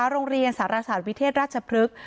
โรงเรียนสหราชาติวิทร์รัชพฤษ